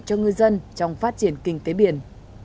cho ngư dân trong phát triển kinh tế biển